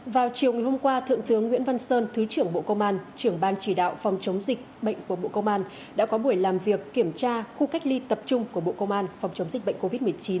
vào chiều ngày hôm qua thượng tướng nguyễn văn sơn thứ trưởng bộ công an trưởng ban chỉ đạo phòng chống dịch bệnh của bộ công an đã có buổi làm việc kiểm tra khu cách ly tập trung của bộ công an phòng chống dịch bệnh covid một mươi chín